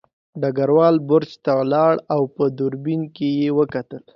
ډګروال برج ته لاړ او په دوربین کې یې وکتل